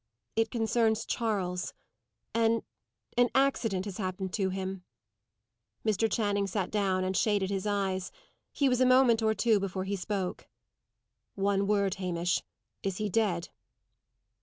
"It concerns Charles. An an accident has happened to him." Mr. Channing sat down and shaded his eyes. He was a moment or two before he spoke. "One word, Hamish; is he dead?"